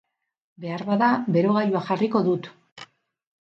Beharbada, berogailua jarriko dut